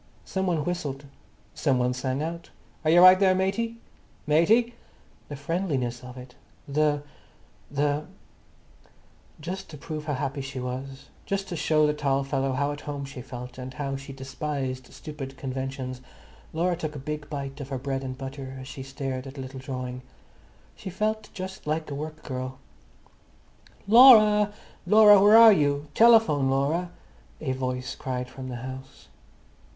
Some one whistled, some one sang out, "Are you right there, matey?" "Matey!" The friendliness of it, the—the—Just to prove how happy she was, just to show the tall fellow how at home she felt, and how she despised stupid conventions, Laura took a big bite of her bread and butter as she stared at the little drawing. She felt just like a work girl. "Laura, Laura, where are you? Telephone, Laura!" a voice cried from the house.